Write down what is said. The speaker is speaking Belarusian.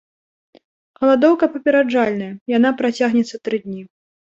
Галадоўка папераджальная, яна працягнецца тры дні.